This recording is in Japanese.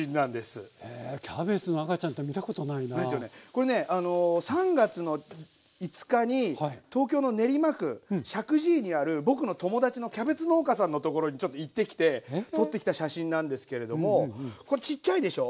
これねあの３月の５日に東京の練馬区石神井にある僕の友達のキャベツ農家さんのところにちょっと行ってきて撮ってきた写真なんですけれどもこれちっちゃいでしょ？